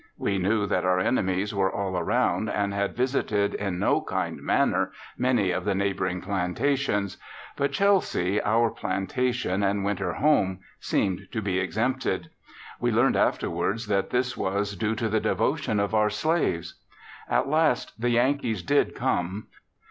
We knew that our enemies were all around and had visited in no kind manner many of the neighboring plantations, but Chelsea, our plantation and winter home, seemed to be exempted. We learned afterward that this was due to the devotion of our slaves. At last the Yankees did come.